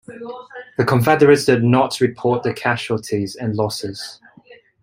The Confederates did not report their casualties and losses.